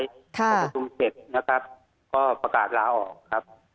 พอประชุมเสร็จนะครับก็ประกาศลาออกครับ